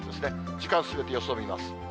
時間進めて予想を見ます。